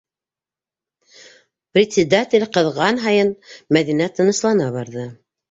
Председатель ҡыҙған һайын Мәҙинә тыныслана барҙы.